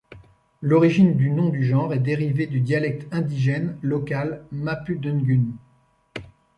L'origine du nom du genre est dérivé du dialecte indigène local mapudungun.